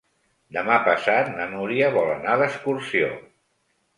Demà passat na Núria vol anar d'excursió.